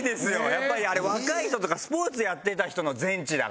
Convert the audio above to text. やっぱりあれ若い人とかスポーツやってた人の全治だから。